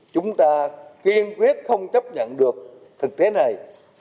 chúng ta kiên quyết không chấp nhận được thực tế này